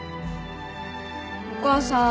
お母さん。